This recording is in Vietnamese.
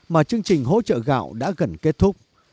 mà chương trình hỗ trợ gạo đã gần kết thúc